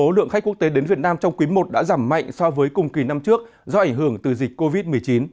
số lượng khách quốc tế đến việt nam trong quý i đã giảm mạnh so với cùng kỳ năm trước do ảnh hưởng từ dịch covid một mươi chín